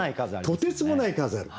とてつもない数ある。